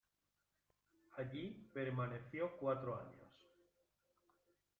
Allí, permaneció cuatro años.